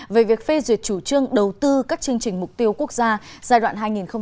về việc phê duyệt chủ trương đầu tư các chương trình mục tiêu quốc gia giai đoạn hai nghìn một mươi sáu hai nghìn hai mươi